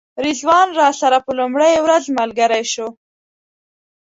رضوان راسره په لومړۍ ورځ ملګری شو.